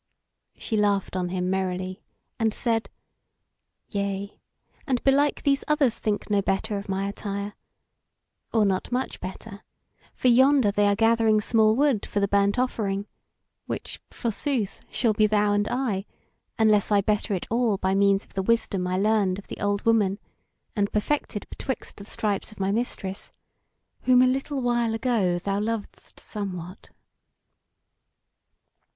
She laughed on him merrily, and said: "Yea, and belike these others think no better of my attire, or not much better; for yonder they are gathering small wood for the burnt offering; which, forsooth, shall be thou and I, unless I better it all by means of the wisdom I learned of the old woman, and perfected betwixt the stripes of my Mistress, whom a little while ago thou lovedst somewhat."